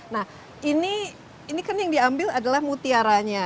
nah ini kan yang diambil adalah mutiaranya